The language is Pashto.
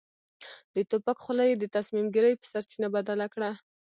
د توپک خوله يې د تصميم ګيرۍ په سرچينه بدله کړه.